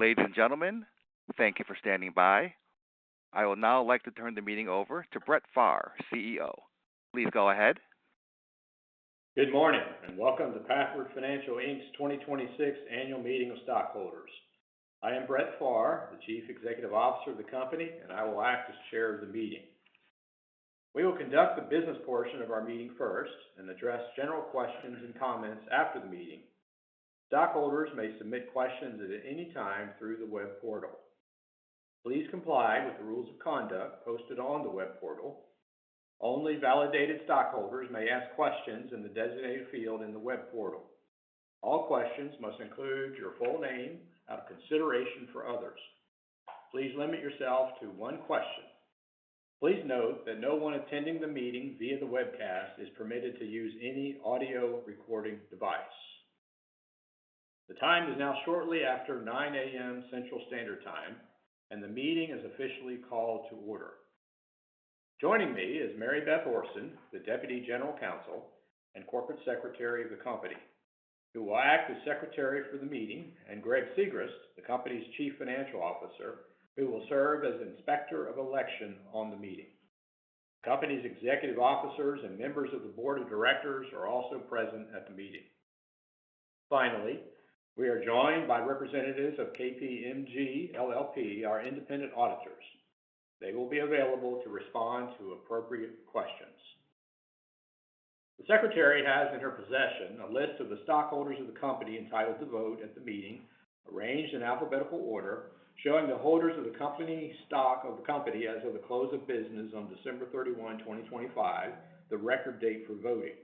Ladies and gentlemen, thank you for standing by. I would now like to turn the meeting over to Brett Pharr, CEO. Please go ahead. Good morning, and welcome to Pathward Financial, Inc.'s 2026 Annual Meeting of Stockholders. I am Brett Pharr, the Chief Executive Officer of the company, and I will act as chair of the meeting. We will conduct the business portion of our meeting first and address general questions and comments after the meeting. Stockholders may submit questions at any time through the web portal. Please comply with the rules of conduct posted on the web portal. Only validated stockholders may ask questions in the designated field in the web portal. All questions must include your full name out of consideration for others. Please limit yourself to one question. Please note that no one attending the meeting via the webcast is permitted to use any audio recording device. The time is now shortly after 9:00 A.M. Central Standard Time, and the meeting is officially called to order. Joining me is Mary Beth Orson, the Deputy General Counsel and Corporate Secretary of the company, who will act as secretary for the meeting, and Greg Sigrist, the company's Chief Financial Officer, who will serve as Inspector of Election on the meeting. The company's executive officers and members of the Board of Directors are also present at the meeting. We are joined by representatives of KPMG LLP, our independent auditors. They will be available to respond to appropriate questions. The secretary has in her possession a list of the stockholders of the company entitled to vote at the meeting, arranged in alphabetical order, showing the holders of the stock of the company as of the close of business on December 31, 2025, the record date for voting.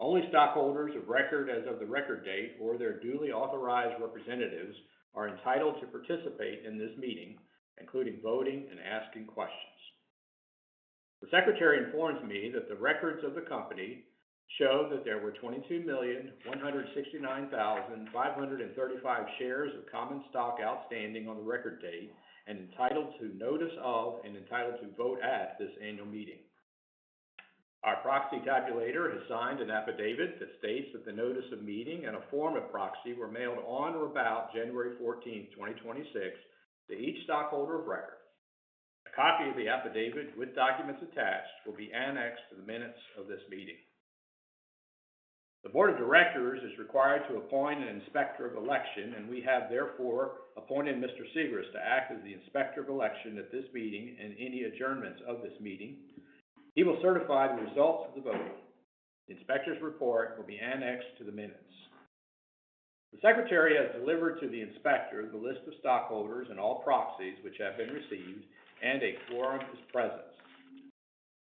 Only stockholders of record as of the record date or their duly authorized representatives are entitled to participate in this meeting, including voting and asking questions. The secretary informs me that the records of the company show that there were 22,169,535 shares of common stock outstanding on the record date, and entitled to notice of and entitled to vote at this annual meeting. Our proxy tabulator has signed an affidavit that states that the notice of meeting and a form of proxy were mailed on or about January 14, 2026, to each stockholder of record. A copy of the affidavit with documents attached will be annexed to the minutes of this meeting. The Board of Directors is required to appoint an Inspector of Election, we have therefore appointed Mr. Sigrist to act as the Inspector of Election at this meeting and any adjournments of this meeting. He will certify the results of the voting. The inspector's report will be annexed to the minutes. The secretary has delivered to the inspector the list of stockholders and all proxies which have been received. A quorum is present.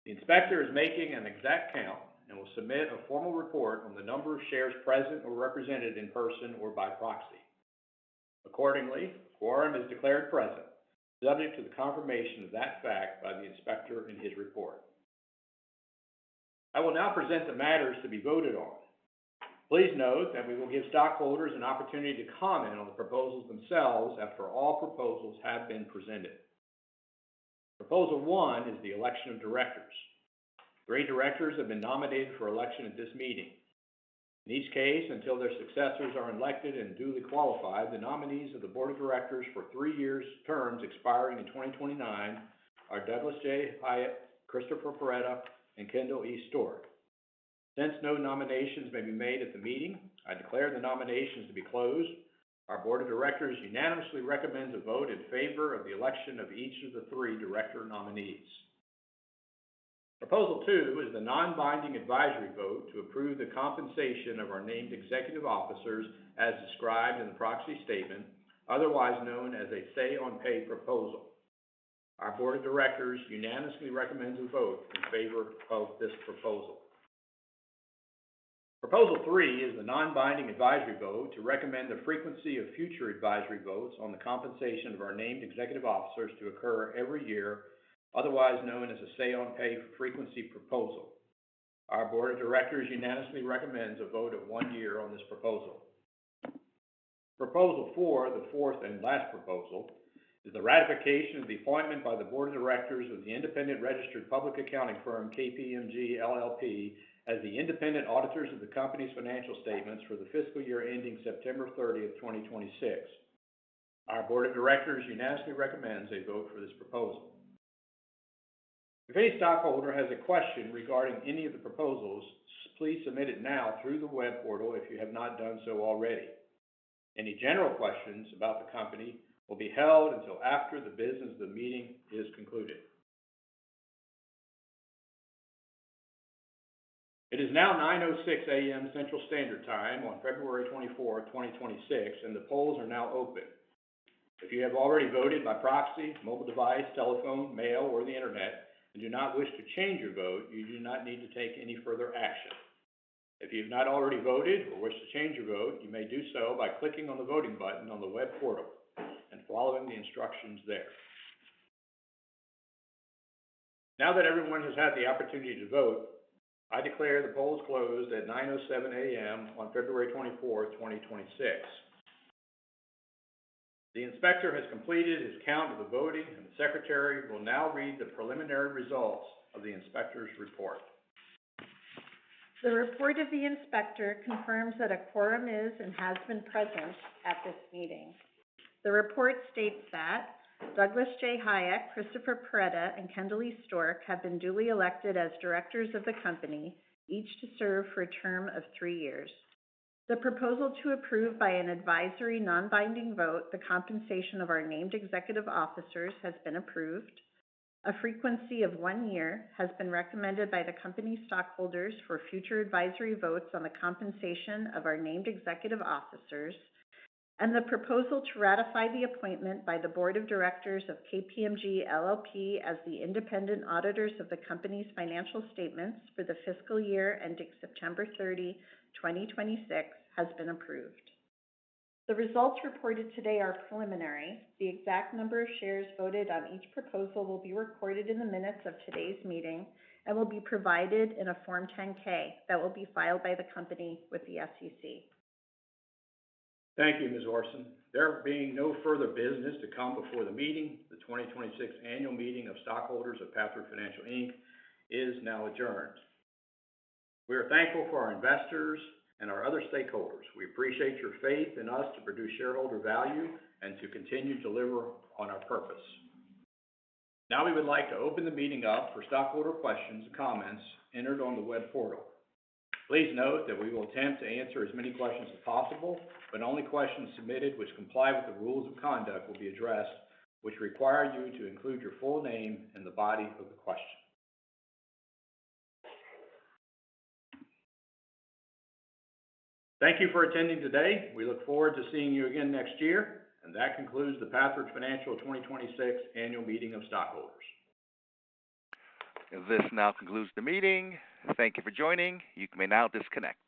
The inspector is making an exact count and will submit a formal report on the number of shares present or represented in person or by proxy. Accordingly, a quorum is declared present, subject to the confirmation of that fact by the inspector in his report. I will now present the matters to be voted on. Please note that we will give stockholders an opportunity to comment on the proposals themselves after all proposals have been presented. Proposal 1 is the election of directors. Three directors have been nominated for election at this meeting. In each case, until their successors are elected and duly qualified, the nominees of the Board of Directors for three years terms expiring in 2029 are Douglas J. Hajek, Christopher Perretta, and Kendall E. Stork. Since no nominations may be made at the meeting, I declare the nominations to be closed. Our Board of Directors unanimously recommends a vote in favor of the election of each of the three director nominees. Proposal 2 is the non-binding advisory vote to approve the compensation of our named executive officers as described in the proxy statement, otherwise known as a Say-on-Pay proposal. Our Board of Directors unanimously recommends a vote in favor of this proposal. Proposal 3 is the non-binding advisory vote to recommend the frequency of future advisory votes on the compensation of our named executive officers to occur every year, otherwise known as a Say-on-Pay frequency proposal. Our Board of Directors unanimously recommends a vote of one year on this proposal. Proposal 4, the 4th and last proposal, is the ratification of the appointment by the Board of Directors of the independent registered public accounting firm, KPMG LLP, as the independent auditors of the company's financial statements for the fiscal year ending September 30, 2026. Our Board of Directors unanimously recommends a vote for this proposal. If any stockholder has a question regarding any of the proposals, please submit it now through the web portal if you have not done so already. Any general questions about the company will be held until after the business of the meeting is concluded. It is now 9:06 A.M. Central Standard Time on February 24, 2026, and the polls are now open. If you have already voted by proxy, mobile device, telephone, mail, or the internet and do not wish to change your vote, you do not need to take any further action. If you've not already voted or wish to change your vote, you may do so by clicking on the voting button on the web portal and following the instructions there. Now that everyone has had the opportunity to vote, I declare the polls closed at 9:07 A.M. on February 24th, 2026. The inspector has completed his count of the voting, the secretary will now read the preliminary results of the inspector's report. The report of the inspector confirms that a quorum is and has been present at this meeting. The report states that Douglas J. Hajek, Christopher Perretta, and Kendall E. Stork have been duly elected as directors of the company, each to serve for a term of three years. The proposal to approve by an advisory non-binding vote, the compensation of our named executive officers has been approved. A frequency of one year has been recommended by the company stockholders for future advisory votes on the compensation of our named executive officers, and the proposal to ratify the appointment by the Board of Directors of KPMG LLP as the independent auditors of the company's financial statements for the fiscal year ending September 30, 2026, has been approved. The results reported today are preliminary. The exact number of shares voted on each proposal will be recorded in the minutes of today's meeting and will be provided in a Form 10-K that will be filed by the company with the SEC. Thank you, Ms. Orson. There being no further business to come before the meeting, the 2026 Annual Meeting of Stockholders of Pathward Financial, Inc. is now adjourned. We are thankful for our investors and our other stakeholders. We appreciate your faith in us to produce shareholder value and to continue to deliver on our purpose. Now we would like to open the meeting up for stockholder questions and comments entered on the web portal. Please note that we will attempt to answer as many questions as possible, but only questions submitted which comply with the rules of conduct will be addressed, which require you to include your full name in the body of the question. Thank you for attending today. We look forward to seeing you again next year. That concludes the Pathward Financial 2026 Annual Meeting of Stockholders. This now concludes the meeting. Thank you for joining. You may now disconnect.